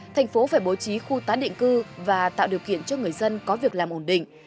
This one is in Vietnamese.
tp hcm phải bố trí khu tán định cư và tạo điều kiện cho người dân có việc làm ổn định